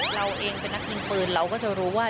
เราเองเป็นนักยิงปืนเราก็จะรู้ว่า